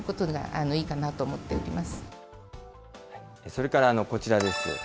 それからこちらです。